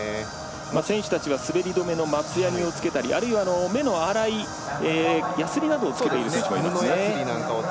選手たちは滑り止めの松やにをつけたり、あるいは目の粗い、やすりなどをつけている選手もいます。